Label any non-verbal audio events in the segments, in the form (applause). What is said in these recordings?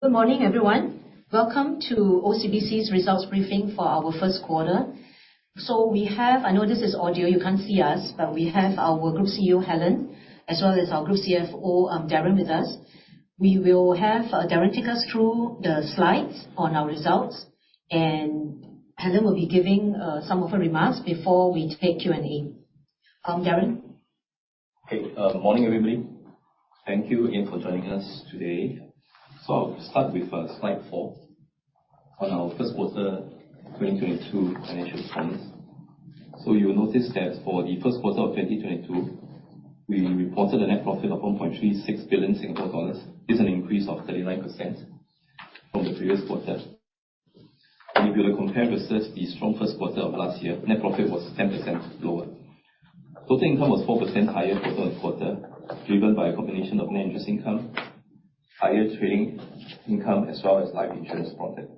Good morning, everyone. Welcome to OCBC's results briefing for our first quarter. I know this is audio, you can't see us, but we have our Group CEO, Helen, as well as our Group CFO, Darren, with us. We will have Darren take us through the slides on our results, and Helen will be giving some of her remarks before we take Q&A. Darren? Hey, morning, everybody. Thank you again for joining us today. I'll start with, slide four on our first quarter 2022 financial performance. You'll notice that for the first quarter of 2022, we reported a net profit of 1.36 billion Singapore dollars. It's an increase of 39% from the previous quarter. If you compare versus the strong first quarter of last year, net profit was 10% lower. Total income was 4% higher quarter-on-quarter, driven by a combination of net interest income, higher trading income, as well as life insurance profit.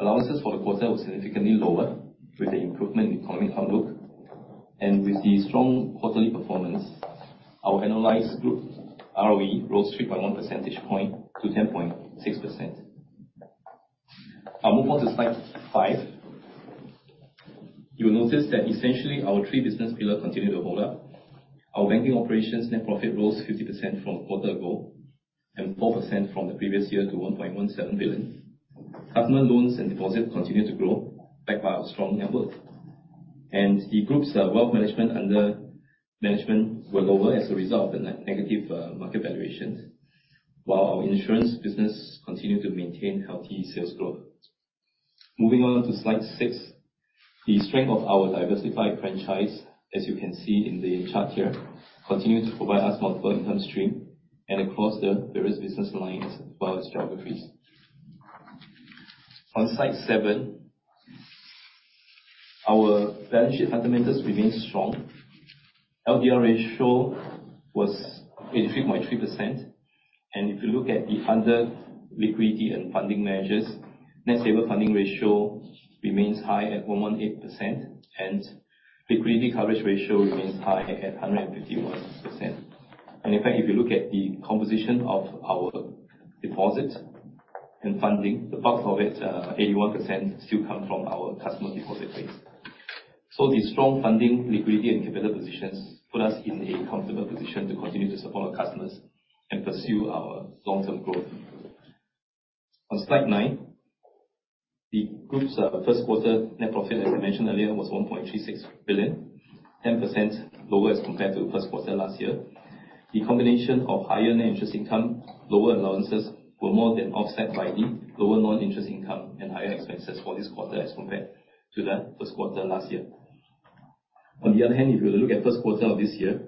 Allowances for the quarter was significantly lower with the improvement in economic outlook. With the strong quarterly performance, our annualized group ROE rose 3.1 percentage point to 10.6%. I'll move on to slide five. You'll notice that essentially our three business pillar continued to hold up. Our banking operations net profit rose 50% from a quarter ago, and 4% from the previous year to 1.17 billion. Customer loans and deposits continued to grow, backed by our strong network. The group's wealth management assets under management were lower as a result of the negative market valuations. While our insurance business continued to maintain healthy sales growth. Moving on to slide six. The strength of our diversified franchise, as you can see in the chart here, continued to provide us multiple income stream and across the various business lines as well as geographies. On slide seven, our balance sheet fundamentals remained strong. LDR ratio was 83.3%, and if you look at the other liquidity and funding measures, net stable funding ratio remains high at 118%, and liquidity coverage ratio remains high at 151%. In fact, if you look at the composition of our deposits and funding, the bulk of it, 81% still come from our customer deposit base. The strong funding, liquidity, and capital positions put us in a comfortable position to continue to support our customers and pursue our long-term growth. On slide nine, the group's first quarter net profit, as I mentioned earlier, was 1.36 billion, 10% lower as compared to first quarter last year. The combination of higher net interest income, lower allowances were more than offset by the lower non-interest income and higher expenses for this quarter as compared to the first quarter last year. On the other hand, if you look at first quarter of this year,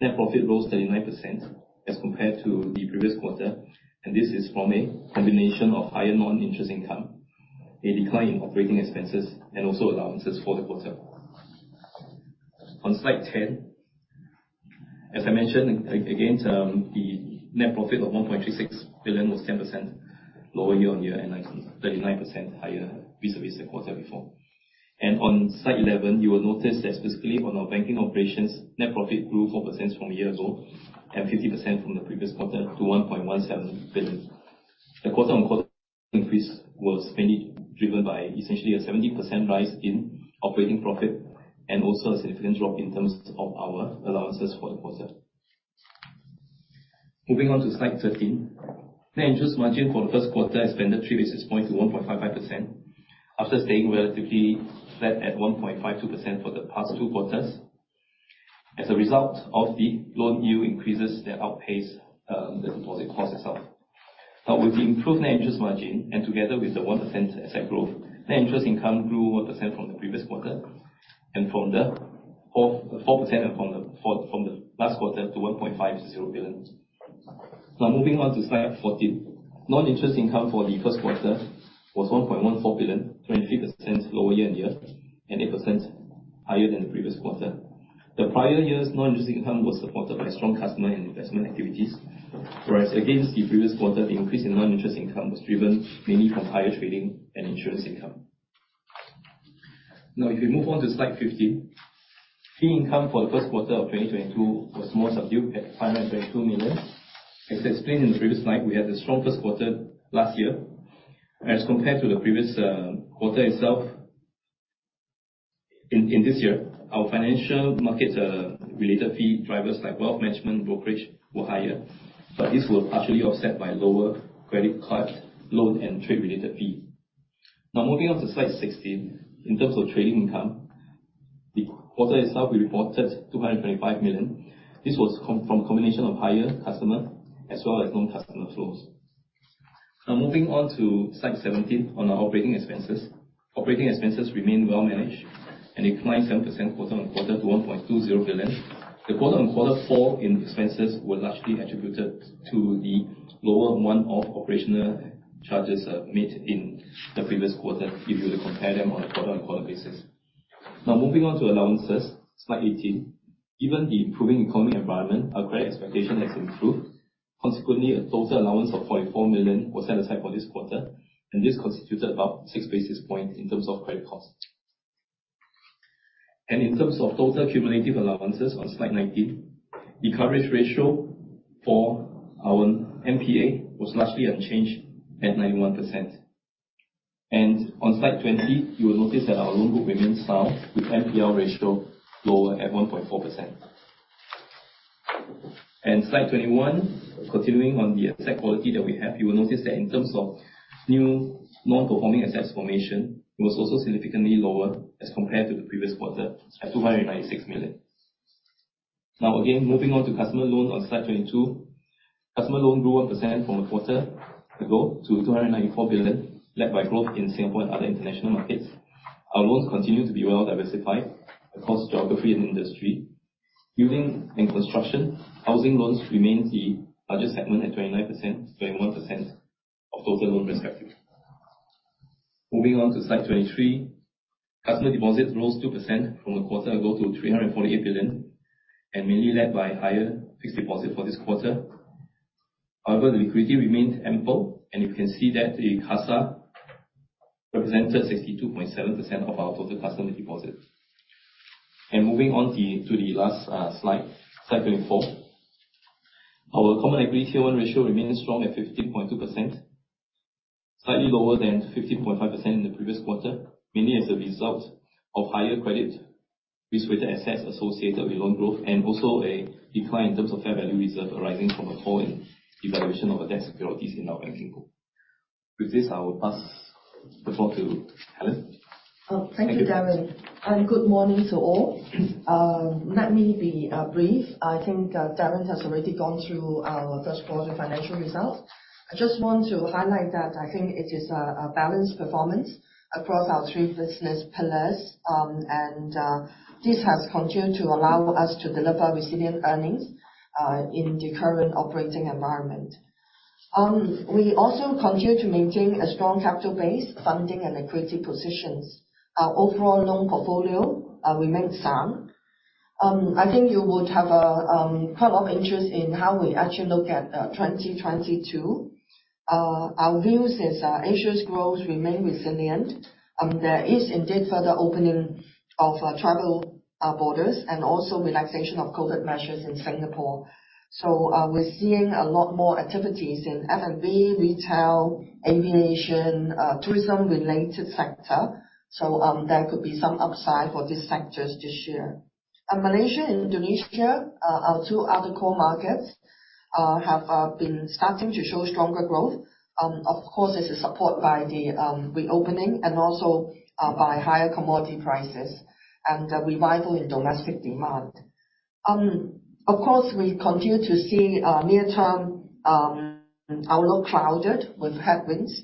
net profit rose 39% as compared to the previous quarter, and this is from a combination of higher non-interest income, a decline in operating expenses, and also allowances for the quarter. On slide ten, as I mentioned again, the net profit of 1.36 billion was 10% lower year-on-year and 39% higher vis-à-vis the quarter before. On slide eleven, you will notice that specifically on our banking operations, net profit grew 4% from a year ago and 50% from the previous quarter to 1.17 billion. The quarter-on-quarter increase was mainly driven by essentially a 70% rise in operating profit and also a significant drop in terms of our allowances for the quarter. Moving on to slide 13. Net interest margin for the first quarter expanded 3 basis points to 1.55% after staying relatively flat at 1.52% for the past two quarters. As a result of the loan yield increases that outpaced the deposit cost increases. Now, with the improved net interest margin and together with the 1% asset growth, net interest income grew 1% from the previous quarter and 4% from the last quarter to 1.50 billion. Now moving on to slide 14. Non-interest income for the first quarter was 1.14 billion, 23% lower year-on-year and 8% higher than the previous quarter. The prior year's non-interest income was supported by strong customer and investment activities. Whereas against the previous quarter, the increase in non-interest income was driven mainly from higher trading and insurance income. Now, if we move on to slide 15. Fee income for the first quarter of 2022 was more subdued at 522 million. As explained in the previous slide, we had a strong first quarter last year as compared to the previous quarter itself. In this year, our financial markets related fee drivers like wealth management brokerage were higher, but this was partially offset by lower credit card, loan, and trade-related fee. Now moving on to slide 16. In terms of trading income, the quarter itself we reported 225 million. This was from a combination of higher customer as well as non-customer flows. Now moving on to slide 17 on our operating expenses. Operating expenses remain well managed and declined 7% quarter-on-quarter to 1.20 billion. The quarter-on-quarter fall in expenses were largely attributed to the lower amount of operational charges made in the previous quarter if you were to compare them on a quarter-on-quarter basis. Now moving on to allowances. Slide 18. Given the improving economic environment, our credit expectation has improved. Consequently, a total allowance of 44 million was set aside for this quarter, and this constituted about 6 basis points in terms of credit cost. In terms of total cumulative allowances on slide 19, the coverage ratio for our NPA was largely unchanged at 91%. On slide 20, you will notice that our loan book remains sound with NPL ratio lower at 1.4%. Slide 21, continuing on the asset quality that we have, you will notice that in terms of new non-performing assets formation, it was also significantly lower as compared to the previous quarter at 296 million. Now again, moving on to customer loan on slide 22. Customer loan grew 1% from a quarter ago to 294 billion, led by growth in Singapore and other international markets. Our loans continue to be well diversified across geography and industry. Excluding construction, housing loans remains the largest segment at 29%-21% of total loans respectively. Moving on to slide 23. Customer deposits rose 2% from the quarter ago to 348 billion, and mainly led by higher fixed deposit for this quarter. However, the liquidity remains ample, and you can see that the CASA represented 62.7% of our total customer deposits. Moving on to the last slide 24. Our common equity tier one ratio remains strong at 15.2%, slightly lower than 15.5% in the previous quarter, mainly as a result of higher credit risk-weighted assets associated with loan growth and also a decline in terms of fair value reserve arising from a fall in evaluation of a debt securities in our banking book. With this, I will pass the floor to Helen. Oh, thank you, Darren. Thank you. Good morning to all. Let me be brief. I think Darren has already gone through our first quarter financial results. I just want to highlight that I think it is a balanced performance across our three business pillars. This has continued to allow us to deliver resilient earnings in the current operating environment. We also continue to maintain a strong capital base, funding and liquidity positions. Our overall loan portfolio remains sound. I think you would have quite a lot of interest in how we actually look at 2022. Our view is Asia's growth remain resilient. There is indeed further opening of travel borders and also relaxation of COVID measures in Singapore. We're seeing a lot more activities in F&B, retail, aviation, tourism related sector. There could be some upside for these sectors this year. Malaysia and Indonesia, our two other core markets, have been starting to show stronger growth. Of course, this is supported by the reopening and also by higher commodity prices and a revival in domestic demand. Of course, we continue to see near term outlook clouded with headwinds.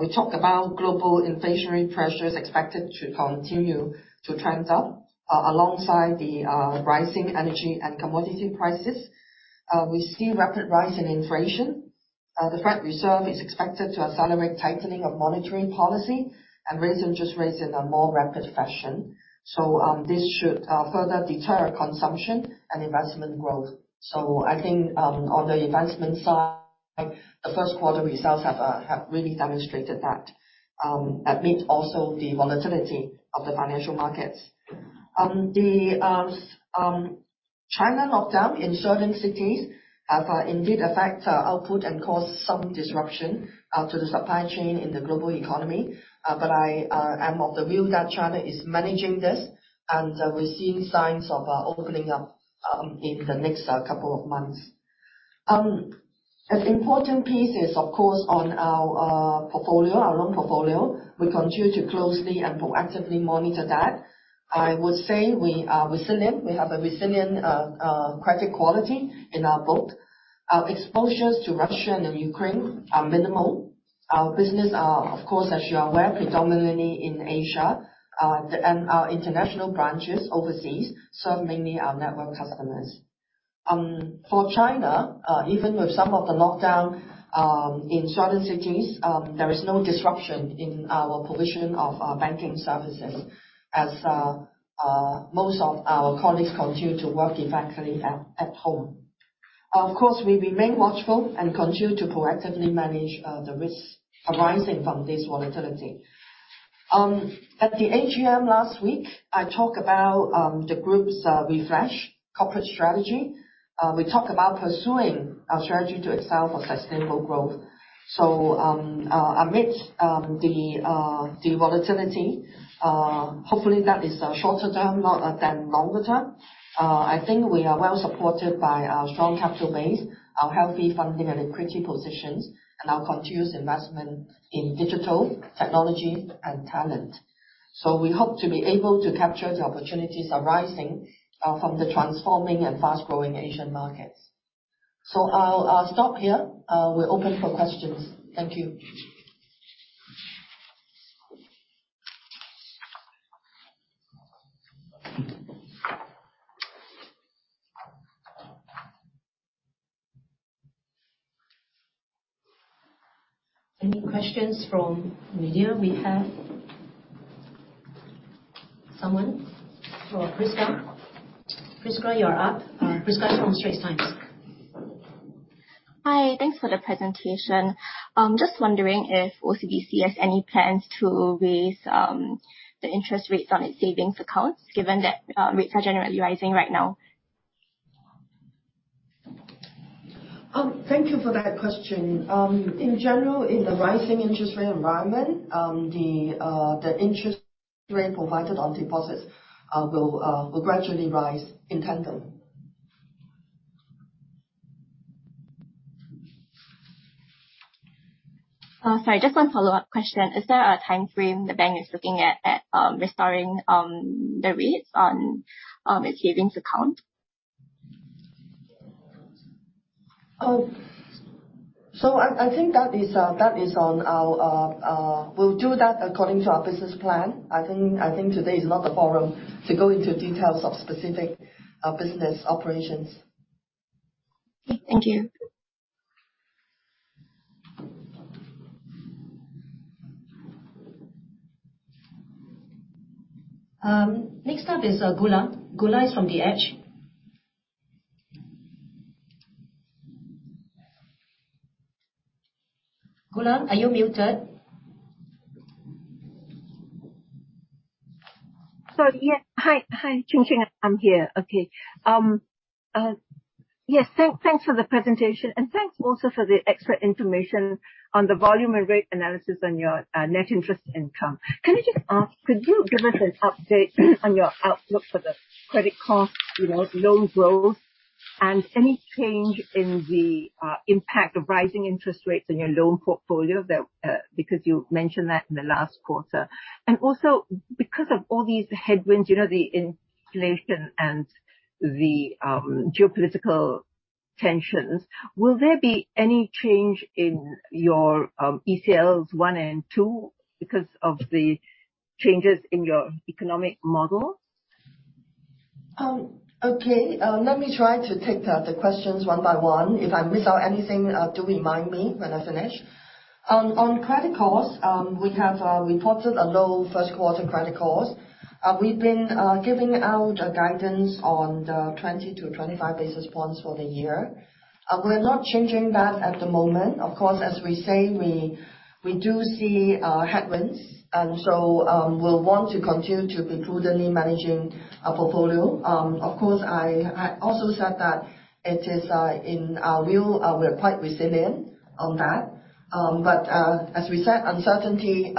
We talked about global inflationary pressures expected to continue to trend up alongside the rising energy and commodity prices. We see rapid rise in inflation. The Federal Reserve is expected to accelerate tightening of monetary policy and raise interest rates in a more rapid fashion. This should further deter consumption and investment growth. I think on the investment side, the first quarter results have really demonstrated that amid also the volatility of the financial markets. China lockdown in certain cities have indeed affect output and caused some disruption to the supply chain in the global economy. I am of the view that China is managing this, and we're seeing signs of opening up in the next couple of months. An important piece is of course on our portfolio, our loan portfolio. We continue to closely and proactively monitor that. I would say we are resilient. We have a resilient credit quality in our book. Exposures to Russia and Ukraine are minimal. Our business are, of course, as you are aware, predominantly in Asia. Our international branches overseas serve mainly our network customers. For China, even with some of the lockdown in certain cities, there is no disruption in our positioning of our banking services as most of our colleagues continue to work effectively at home. Of course, we remain watchful and continue to proactively manage the risks arising from this volatility. At the AGM last week, I talk about the group's refresh corporate strategy. We talk about pursuing our strategy to excel for sustainable growth. Amid the volatility, hopefully that is shorter term, not than longer term. I think we are well supported by our strong capital base, our healthy funding and equity positions, and our continuous investment in digital technology and talent. We hope to be able to capture the opportunities arising from the transforming and fast-growing Asian markets. I'll stop here. We're open for questions. Thank you. Any questions from media? We have someone. Oh, Prisca. Prisca, you're up. Prisca from The Straits Times. Hi. Thanks for the presentation. Just wondering if OCBC has any plans to raise the interest rates on its savings accounts, given that rates are generally rising right now. Thank you for that question. In general, in the rising interest rate environment, the interest rate provided on deposits will gradually rise in tandem. Sorry, just one follow-up question. Is there a timeframe the bank is looking at restoring the rates on its savings account? We'll do that according to our business plan. I think today is not the forum to go into details of specific business operations. Thank you. Next up is Goola. Goola is from The Edge. Goola, are you muted? Sorry, yeah. Hi, hi. Ching-Ching, I'm here. Okay. Yes, thanks for the presentation, and thanks also for the extra information on the volume and rate analysis on your net interest income. Can I just ask, could you give us an update on your outlook for the credit cost, you know, loan growth, and any change in the impact of rising interest rates on your loan portfolio that because you mentioned that in the last quarter? Also, because of all these headwinds, you know, the inflation and the geopolitical tensions, will there be any change in your ECLs one and two because of the changes in your economic model? Okay. Let me try to take the questions one by one. If I miss out anything, do remind me when I finish. On credit costs, we have reported a low first quarter credit cost. We've been giving out a guidance on the 20-25 basis points for the year. We're not changing that at the moment. Of course, as we say, we do see headwinds and so, we'll want to continue to be prudently managing our portfolio. Of course, I also said that it is in our view, we're quite resilient on that. As we said, there's uncertainty in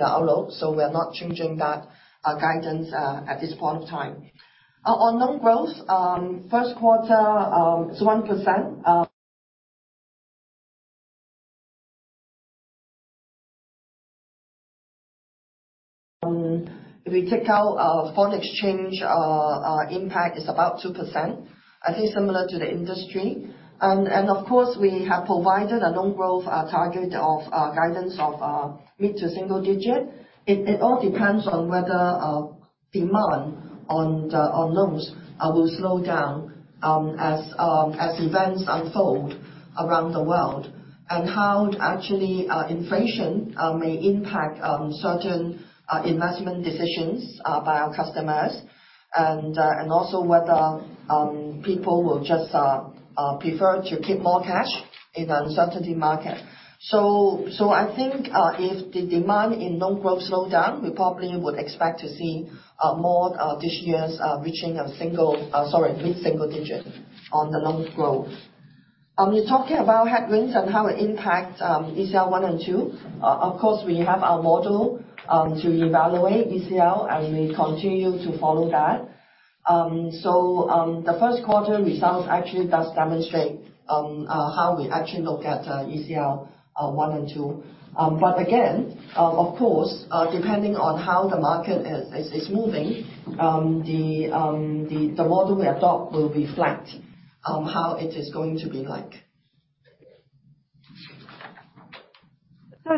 the outlook, so we're not changing that guidance at this point in time. Our loan growth first quarter is 1%, if we take out foreign exchange impact is about 2%. I think similar to the industry. Of course, we have provided a loan growth target of guidance of mid- to single-digit. It all depends on whether demand on loans will slow down as events unfold around the world and how actually inflation may impact certain investment decisions by our customers and also whether people will just prefer to keep more cash in an uncertainty market. I think if the demand in loan growth slow down, we probably would expect to see this year's reaching mid-single digit on the loan growth. You're talking about headwinds and how it impacts ECL one and two. Of course, we have our model to evaluate ECL, and we continue to follow that. The first quarter results actually does demonstrate how we actually look at ECL one and two. Again, of course, depending on how the market is moving, the model we adopt will reflect how it is going to be like.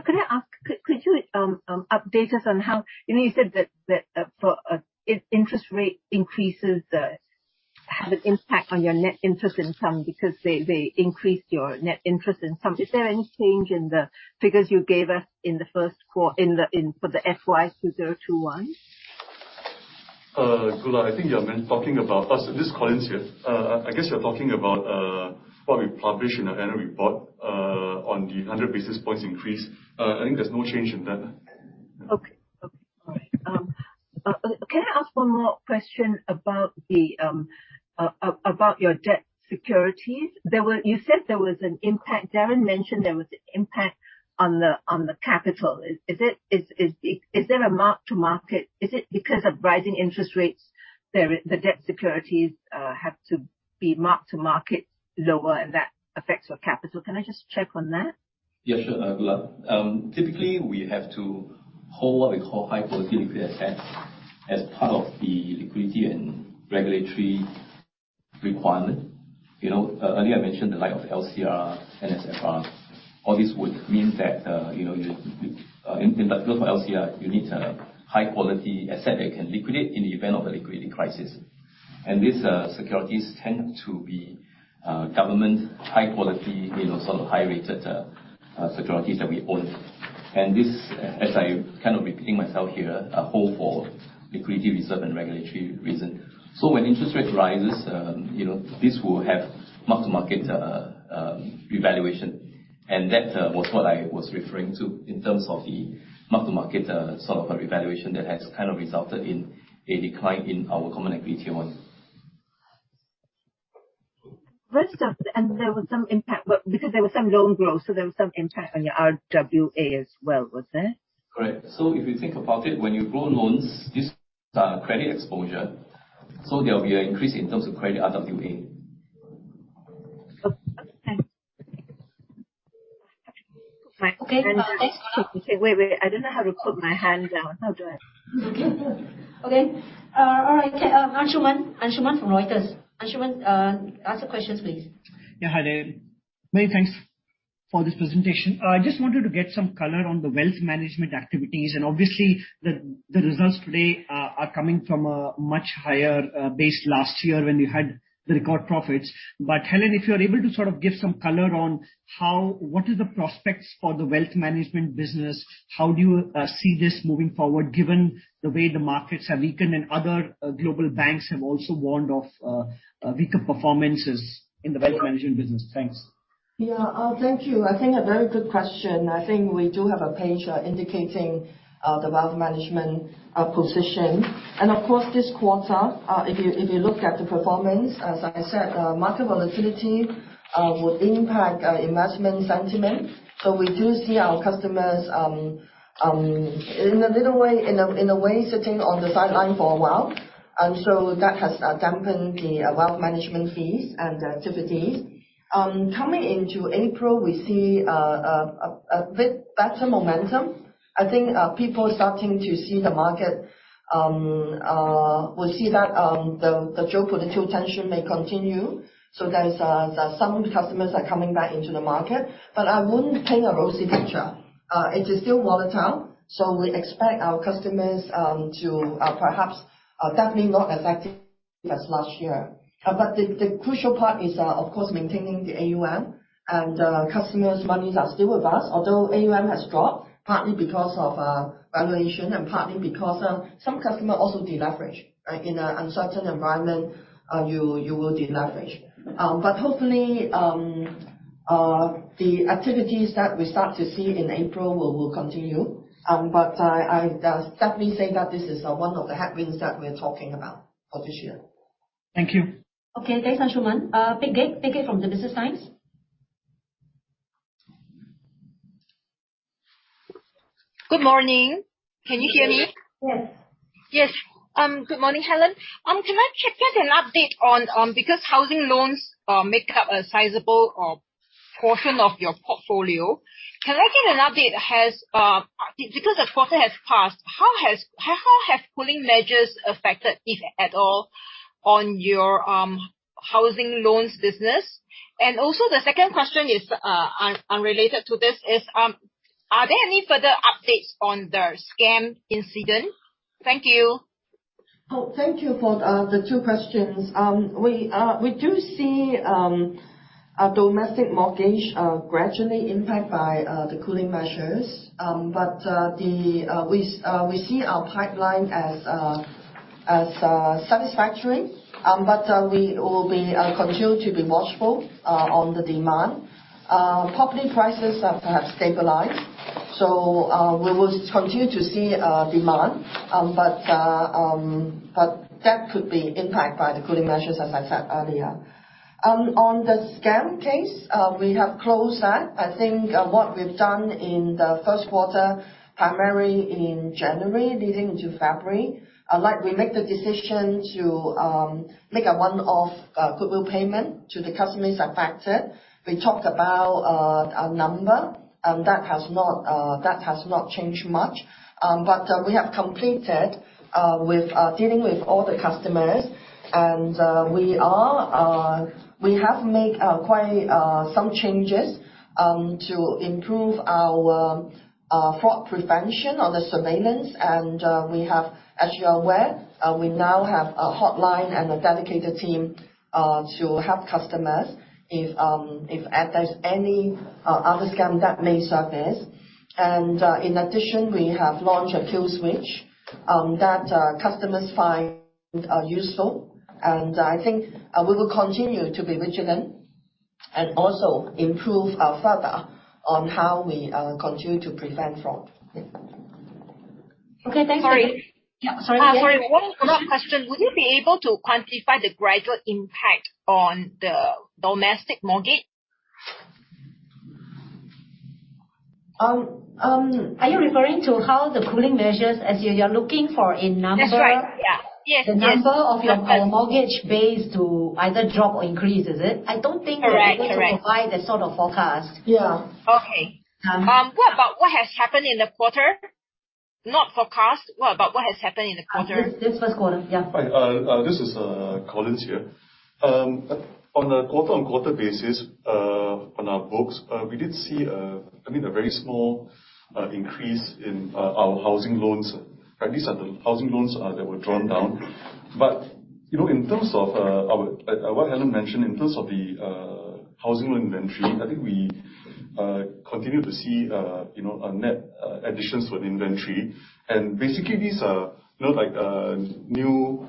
Could I ask you to update us on how you know you said that if interest rate increases have an impact on your net interest income because they increase your net interest income. Is there any change in the figures you gave us for the FY 2021? Goola, I think you have been talking about. This is Collins here. I guess you're talking about what we published in our annual report on the 100 basis points increase. I think there's no change in that. All right. Can I ask one more question about your debt securities? You said there was an impact. Darren mentioned there was an impact on the capital. Is there a mark to market? Is it because of rising interest rates the debt securities have to be marked to market lower and that affects your capital? Can I just check on that? Yeah, sure, Goola. Typically we have to hold what we call high quality liquid assets as part of the liquidity and regulatory requirement. You know, earlier I mentioned the likes of LCR, NSFR. All this would mean that. For LCR, you need a high quality asset that can liquidate in the event of a liquidity crisis. These securities tend to be government high quality, you know, sort of high rated securities that we own. This, as I kind of repeating myself here, hold for liquidity reserve and regulatory reason. When interest rate rises, you know, this will have mark-to-market revaluation. That was what I was referring to in terms of the mark-to-market sort of a revaluation that has kind of resulted in a decline in our CET1. First off, there was some impact, but because there was some loan growth, so there was some impact on your RWA as well, was there? Correct. If you think about it, when you grow loans, this credit exposure, so there will be an increase in terms of credit RWA. Okay. Thanks. Okay, next. Wait, wait. I don't know how to put my hand down. How do I? Okay. All right. Anshuman. Anshuman from Reuters. Anshuman, ask your questions please. Yeah, hi there. Many thanks for this presentation. Just wanted to get some color on the wealth management activities and obviously the results today are coming from a much higher base last year when you had the record profits. Helen Wong, if you're able to sort of give some color on how what is the prospects for the wealth management business. How do you see this moving forward, given the way the markets have weakened, and other global banks have also warned of weaker performances in the wealth management business. Thanks. Yeah. Thank you. I think a very good question. I think we do have a page indicating the wealth management position. Of course, this quarter, if you look at the performance, as I said, market volatility would impact investment sentiment. We do see our customers in a way sitting on the sidelines for a while. That has dampened the wealth management fees and activities. Coming into April, we see a bit better momentum. I think people starting to see the market. We see that the geopolitical tension may continue. Some customers are coming back into the market. But I wouldn't paint a rosy picture. It is still volatile, so we expect our customers to perhaps definitely not as active as last year. The crucial part is, of course, maintaining the AUM and customers monies are still with us. Although AUM has dropped partly because of valuation and partly because some customer also deleverage. In an uncertain environment, you will deleverage. Hopefully, the activities that we start to see in April will continue. I certainly say that this is one of the headwinds that we're talking about for this year. Thank you. Okay, thanks Anshuman. Paige Lim. Paige Lim from The Business Times. Good morning. Can you hear me? Yes. Yes. Good morning, Helen Wong. Can I get an update on, because housing loans make up a sizable portion of your portfolio, because the quarter has passed, how have cooling measures affected, if at all, on your housing loans business? Also, the second question is, unrelated to this, are there any further updates on the scam incident? Thank you. Thank you for the two questions. We do see our domestic mortgage gradually impacted by the cooling measures. We see our pipeline as satisfactory. We will continue to be watchful on the demand. Property prices have perhaps stabilized, so we will continue to see demand. That could be impacted by the cooling measures, as I said earlier. On the scam case, we have closed that. I think what we've done in the first quarter, primarily in January leading to February, like we made the decision to make a one-off goodwill payment to the customers affected. We talked about a number, and that has not changed much. We have completed dealing with all the customers. We have made quite some changes to improve our fraud prevention and surveillance. As you are aware, we now have a hotline and a dedicated team to help customers if there's any other scam that may surface. In addition, we have launched a kill switch that customers find useful. I think we will continue to be vigilant and also improve further on how we continue to prevent fraud. Yeah. Okay. Thanks very much. Sorry. Yeah. Sorry. Sorry, one more question. Would you be able to quantify the gradual impact on the domestic mortgage? Are you referring to how the cooling measures as you're looking for a number? That's right, yeah. Yes, yes. The number of your mortgage base to either drop or increase, is it? I don't think. Correct. We're able to provide that sort of forecast. Yeah. Okay. Um- What about what has happened in the quarter? Not forecast. What about what has happened in the quarter? This first quarter. Yeah. Right. This is Collins here. On the quarter-on-quarter basis, on our books, we did see, I mean, a very small increase in our housing loans. Right. These are the housing loans that were drawn down. You know, in terms of what Helen mentioned, in terms of the housing loan inventory, I think we continue to see, you know, a net additions to the inventory. Basically, these are, you know, like, new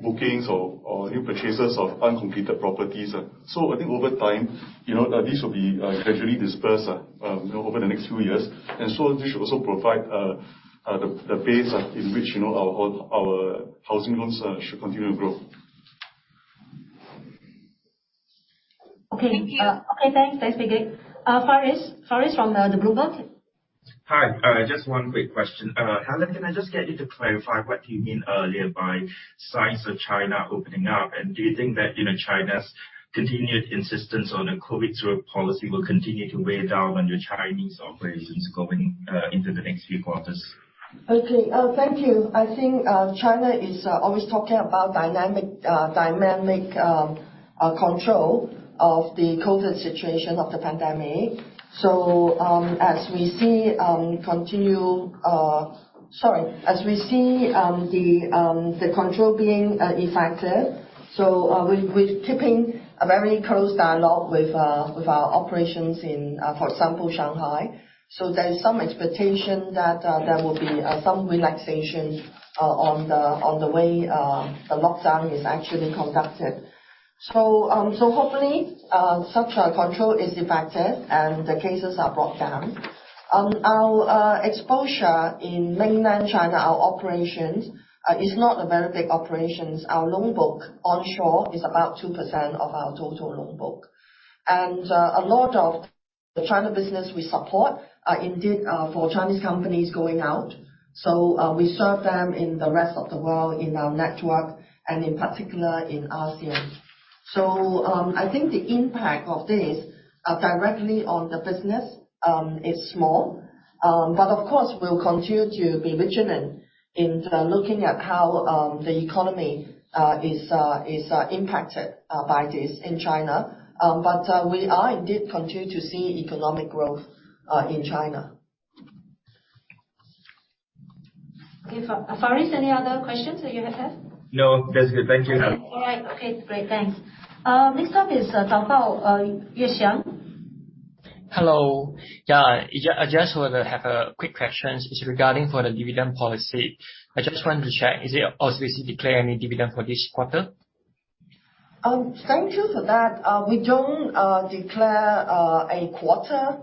bookings or new purchases of uncompleted properties. I think over time, you know, these will be gradually dispersed, you know, over the next few years. This should also provide the base in which, you know, our housing loans should continue to grow. Okay. Thank you. Okay, thanks. Thanks, Paige Lim. Faris from the Bloomberg. Hi. Just one quick question. Helen, can I just get you to clarify what you mean earlier by signs of China opening up? Do you think that, you know, China's continued insistence on a COVID zero policy will continue to weigh down on your Chinese operations going into the next few quarters? Okay. Thank you. I think, China is always talking about dynamic control of the COVID situation of the pandemic. As we see, the control being effective, we're keeping a very close dialogue with our operations in, for example, Shanghai. There's some expectation that there will be some relaxation on the way the lockdown is actually conducted. Hopefully, such a control is effective and the cases are brought down. Our exposure in mainland China, our operations, is not a very big operations. Our loan book onshore is about 2% of our total loan book. A lot of the China business we support are indeed for Chinese companies going out. We serve them in the rest of the world in our network and in particular in ASEAN. I think the impact of this directly on the business is small. Of course we'll continue to be vigilant in looking at how the economy is impacted by this in China. We are indeed continue to see economic growth in China. Okay, Faris, any other questions that you have had? No, that's good. Thank you, Helen. All right. Okay, great. Thanks. Next up is (audio distortion) hello. Yeah. I just want to have a quick question regarding the dividend policy. I just wanted to check, has OCBC declared any dividend for this quarter? Thank you for that. We don't declare a quarter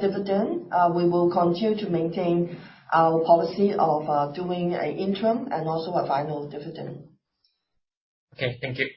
dividend. We will continue to maintain our policy of doing an interim and also a final dividend. Okay, thank you.